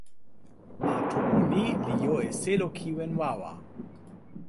ma tomo ni li jo e selo kiwen wawa.